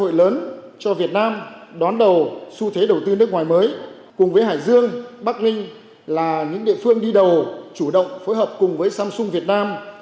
cơ hội lớn cho việt nam đón đầu xu thế đầu tư nước ngoài mới cùng với hải dương bắc ninh là những địa phương đi đầu chủ động phối hợp cùng với samsung việt nam